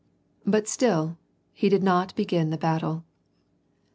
8S3 But still he did not begin the battle.